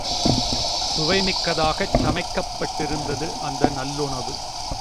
சுவைமிக்கதாகச் சமைக்கப் பட்டிருந்தது அந்த நல்லுணவு.